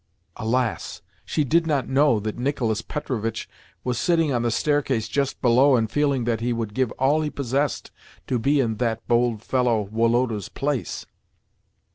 Alas! she did not know that Nicolas Petrovitch was sitting on the staircase just below and feeling that he would give all he possessed to be in "that bold fellow Woloda's" place!